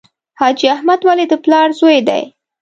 حاجي احمد ولي د پلار زوی دی.